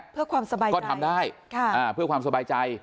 เพื่อความสบายใจก็ทำได้เพื่อความสบายใจ